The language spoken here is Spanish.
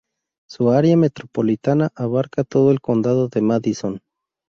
Su área metropolitana abarca todo el condado de Madison.